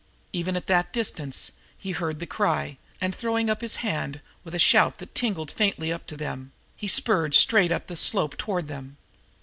Even at that distance he heard the cry, and, throwing up his hand with a shout that tingled faintly up to them, he spurred straight up the slope toward them.